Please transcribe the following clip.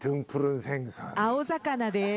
青魚です。